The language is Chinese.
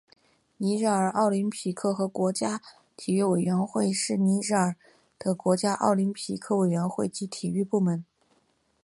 尼日尔奥林匹克和国家体育委员会是尼日尔的国家奥林匹克委员会及体育部门。